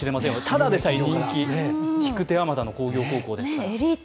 ただでさえ人気、引く手あまたの工業高校ですから。